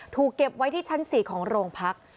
เก็บไว้ที่ชั้น๔ของโรงพัก